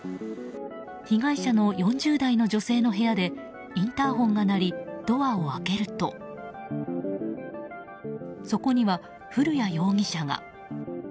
被害者の４０代の女性の部屋でインターホンが鳴りドアを開けるとそこには古屋容疑者が。